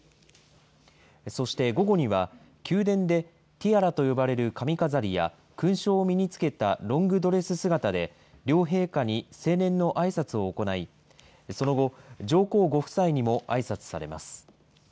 そして、午後には宮殿で、ティアラと呼ばれる髪飾りや、勲章を身につけたロングドレス姿で、両陛下に成年のあいさつを行い、その後、上皇ご夫妻にもあいさつされます。